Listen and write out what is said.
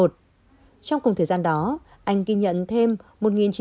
trong cùng thời gian đó anh ghi nhận thêm một chín trăm chín mươi ba ca nhiễm ba hai